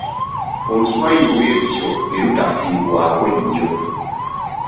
Oluswayiri bwe lutyo ne lutafiibwako nnyo.